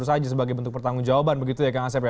saja sebagai bentuk pertanggung jawaban begitu ya kang asep ya